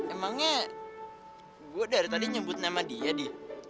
emangnya gue dari tadi nyebut nama dia dia